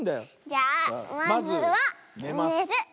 じゃあまずはねる。